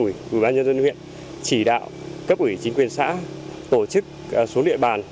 ủy ban nhân dân huyện chỉ đạo cấp ủy chính quyền xã tổ chức xuống địa bàn